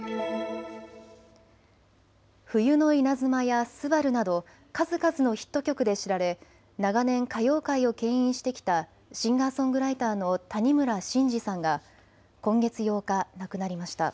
冬の稲妻や昴など数々のヒット曲で知られ、長年歌謡界をけん引してきたシンガーソングライターの谷村新司さんが今月８日亡くなりました。